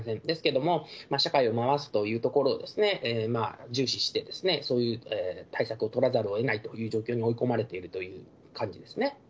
ですけども、社会を回すというところを重視して、そういう対策を取らざるをえないという状況に追い込まれているという感じですね。